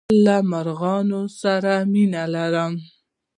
زه له مرغانو سره مينه لرم.